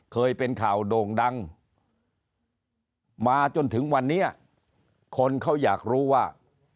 เคยเป็นข่าวโด่งดังมาจนถึงวันนี้คนเขาอยากรู้ว่า